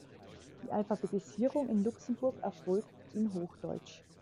Die Alphabetisierung in Luxemburg erfolgt in Hochdeutsch.